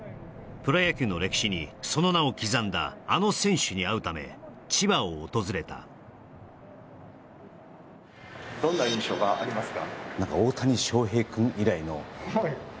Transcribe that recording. プロ野球の歴史にその名を刻んだあの選手に会うため千葉を訪れたどんな印象がありますか？